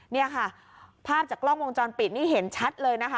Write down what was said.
นี่ค่ะภาพจากกล้องวงจรปิดนี่เห็นชัดเลยนะคะ